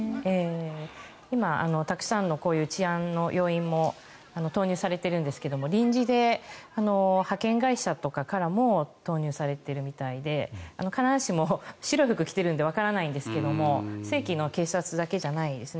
今、たくさんのこういう治安の要員も投入されているんですが臨時で派遣会社とかからも投入されているみたいで必ずしも白い服を着ているのでわからないんですけれど正規の警察だけじゃないですね。